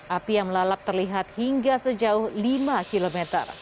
api yang melalap terlihat hingga sejauh lima km